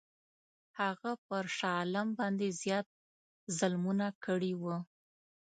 هغه پر شاه عالم باندي زیات ظلمونه کړي وه.